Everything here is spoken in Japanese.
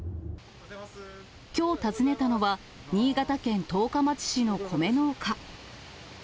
きょう訪ねたのは、新潟県十日町市の米農家。